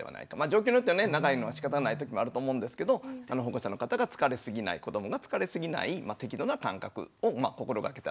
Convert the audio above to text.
状況によってね長いのはしかたない時もあると思うんですけど保護者の方が疲れすぎない子どもが疲れすぎない適度な間隔をうまく心がけたらどうかなと思いますね。